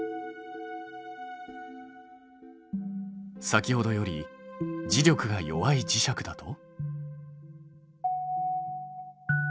先ほどより磁力が弱い磁石だと。